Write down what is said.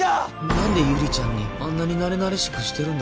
なんでゆりちゃんにあんなになれなれしくしてるんだ？